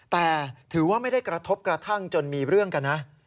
แต่ถือว่าไม่ได้กระทบกระทั่งจนมีเรื่องกันนะ